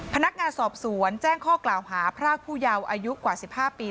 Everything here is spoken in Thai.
พนักงานสอบสวนแจ้งข้อกล่าวหาพรากผู้เยาว์อายุกว่า๑๕ปี